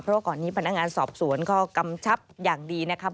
เพราะว่าก่อนนี้พนักงานสอบสวนก็กำชับอย่างดีนะครับ